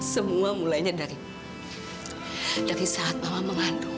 semua mulainya dari saat bawah mengandung